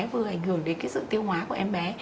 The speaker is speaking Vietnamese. vừa ảnh hưởng đến sự tiêu hóa của em bé